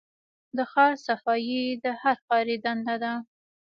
د ښار صفايي د هر ښاري دنده ده.